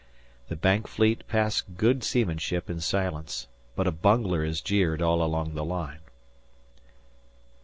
The Bank fleet pass good seamanship in silence; but a bungler is jeered all along the line.